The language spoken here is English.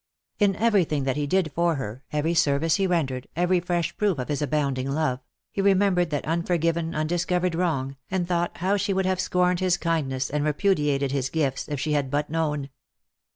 Lost for Love 259 In everything that her did for her — every service he rendered, every fresh proof of his abounding love — he remembered that unforgiven, undiscovered wrong, and thought how she would have scorned his kindness and repudiated his gifts, if she had but known.